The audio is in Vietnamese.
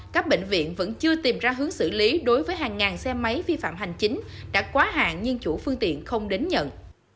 các bệnh viện vẫn chưa tìm ra hướng xử lý đối với hàng ngàn xe máy vi phạm hành chính đã quá hạn nhưng chủ phương tiện không đến nhận